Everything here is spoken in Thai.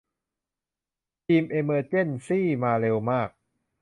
ทีมอีเมอร์เจนซี่มาเร็วมาก